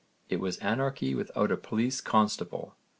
'It was anarchy without a police constable.'